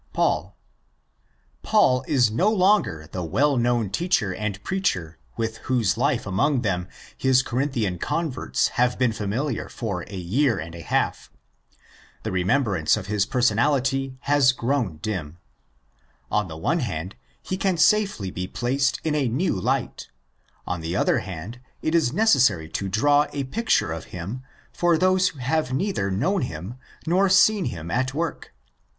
Paul. Paul is no longer the well known teacher and preacher with whose life among them his Corinthian converts have been familiar for a year and a half. The remembrance of his personality has grown dim. On the one hand, he can safely be placed in a new THE SECOND EPISTLE 207 light; on the other hand, it is necessary to draw a picture of him for those who have neither known him nor seen him at work.